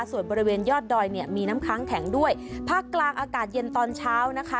ส่วนบริเวณยอดดอยเนี่ยมีน้ำค้างแข็งด้วยภาคกลางอากาศเย็นตอนเช้านะคะ